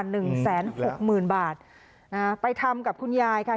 หนึ่งแสนหกหมื่นบาทอ่าไปทำกับคุณยายค่ะ